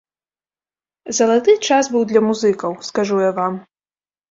Залаты час быў для музыкаў, скажу я вам.